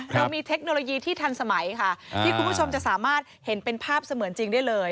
เรามีเทคโนโลยีที่ทันสมัยค่ะที่คุณผู้ชมจะสามารถเห็นเป็นภาพเสมือนจริงได้เลย